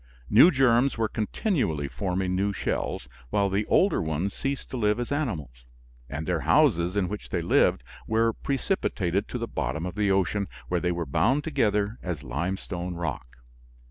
New germs were continually forming new shells, while the older ones ceased to live as animals, and their houses in which they lived were precipitated to the bottom of the ocean, where they were bound together as limestone rock.